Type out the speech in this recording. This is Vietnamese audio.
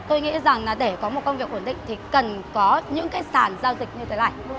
tôi nghĩ rằng là để có một công việc ổn định thì cần có những cái sản giao dịch như thế này